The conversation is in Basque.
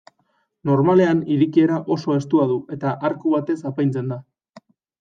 Normalean irekiera oso estua du eta arku batez apaintzen da.